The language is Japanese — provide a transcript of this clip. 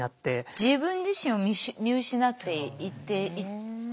自分自身を見失っていってしまいました。